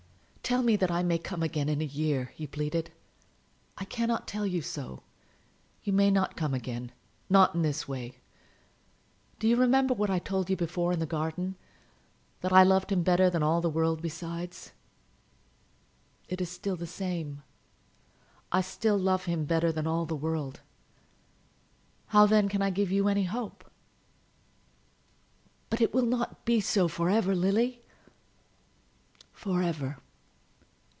"Tell me that I may come again, in a year," he pleaded. "I cannot tell you so. You may not come again, not in this way. Do you remember what I told you before, in the garden; that I loved him better than all the world besides? It is still the same. I still love him better than all the world. How, then, can I give you any hope?" "But it will not be so for ever, Lily." "For ever!